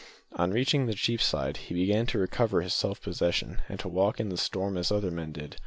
On reaching Cheapside he began to recover his self possession, and to walk in the storm as other men did.